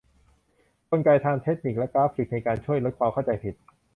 กลไกทางเทคนิคและกราฟิกในการช่วยลดความเข้าใจผิด